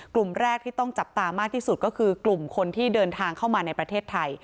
กลุ่มแรกที่ต้องจับตามากที่สุดก็คือกลุ่มคนที่เดินทางเข้ามาในประเทศไทย